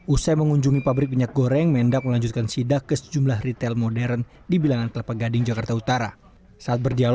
usai mengunjungi pabrik minyak goreng mendak melanjutkan sidak ke sejumlah retail modern di bilangan kelapa gading jakarta utara